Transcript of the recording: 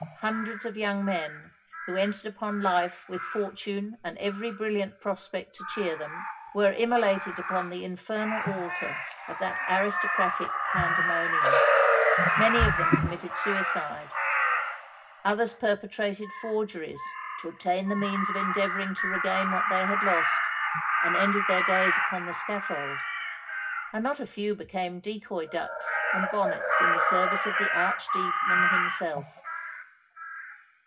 Hundreds of young men, who entered upon life with fortune and every brilliant prospect to cheer them, were immolated upon the infernal altar of that aristocratic pandemonium. Many of them committed suicide:—others perpetrated forgeries, to obtain the means of endeavouring to regain what they had lost, and ended their days upon the scaffold;—and not a few became decoy ducks and bonnets in the service of the Arch demon himself.